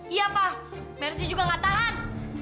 iya pak mercy juga nggak tahan